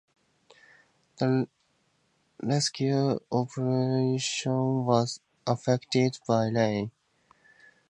The rescue operation was affected by rain.